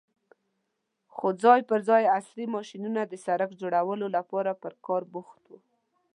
خو ځای پر ځای عصرې ماشينونه د سړک جوړولو لپاره په کار بوخت وو.